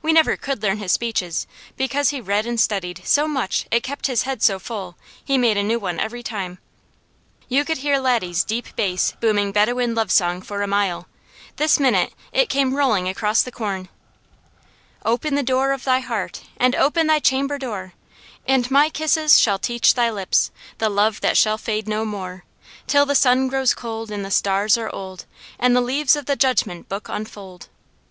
We never could learn his speeches, because he read and studied so much it kept his head so full, he made a new one every time. You could hear Laddie's deep bass booming the "Bedouin Love Song" for a mile; this minute it came rolling across the corn: "Open the door of thy heart, And open thy chamber door, And my kisses shall teach thy lips The love that shall fade no more Till the sun grows cold, And the Stars are old, And the leaves of the Judgment Book unfold!"